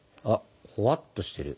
ほわっとしてる。